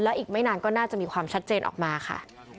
อีกไม่นานก็น่าจะมีความชัดเจนออกมาค่ะ